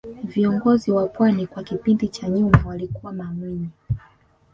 viongozi wa pwani kwa kipindi cha nyuma walikuwa mamwinyi